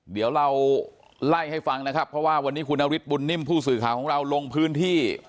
เดี๋ยวเราไล่ให้ฟังนะครับเพราะว่าวันนี้คุณนฤทธบุญนิ่มผู้สื่อข่าวของเราลงพื้นที่